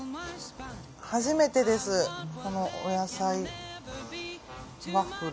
初めてですこのお野菜ワッフル。